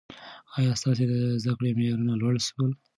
ایا ستا د زده کړې معیار لوړ سوی؟